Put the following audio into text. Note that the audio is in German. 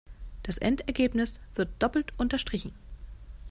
Das Endergebnis wird doppelt unterstrichen.